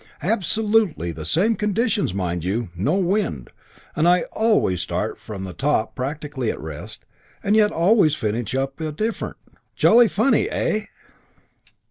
"Absolutely the same conditions, mind you. No wind. And I always start from the top practically at rest; and yet always finish up different. Jolly funny, eh?"